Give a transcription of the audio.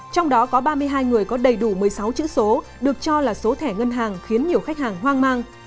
trong đó có ba mươi hai người có đầy đủ một mươi sáu chữ số được cho là số thẻ ngân hàng khiến nhiều khách hàng hoang mang